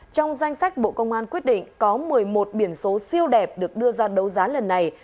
trong danh sách bộ công an quyết định có một mươi một biển số siêu đẹp được đưa ra đấu giá lần này